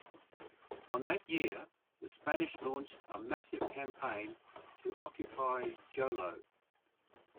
On that year, the Spanish launched a massive campaign to occupy Jolo.